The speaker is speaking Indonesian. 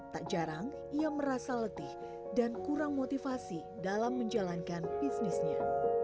tak jarang ia merasa letih dan kurang motivasi dalam menjalankan bisnisnya